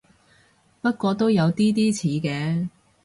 不過都有啲啲似嘅